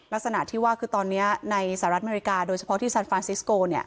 ลักษณะที่ว่าคือตอนนี้ในสหรัฐอเมริกาโดยเฉพาะที่ซานฟรานซิสโก